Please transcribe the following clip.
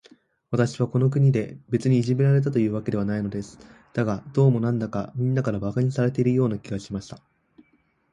私はこの国で、別にいじめられたわけではないのです。だが、どうも、なんだか、みんなから馬鹿にされているような気がしました。